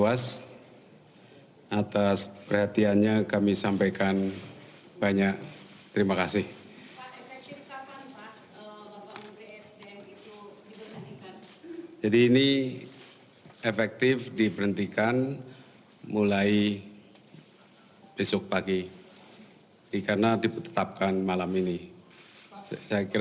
apakah presiden mau berhentikan ini secara hukum atau secara politik